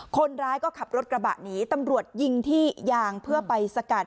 คนร้ายก็ขับรถกระบะหนีตำรวจยิงที่ยางเพื่อไปสกัด